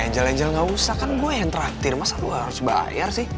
eh injol injol gausah kan gue yang traktir masa lo harus bayar sih